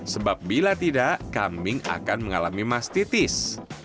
sebab bila tidak kambing akan mengalami mastitis